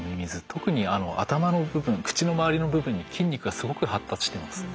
特に頭の部分口の周りの部分に筋肉がすごく発達してます。